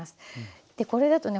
でこれだとね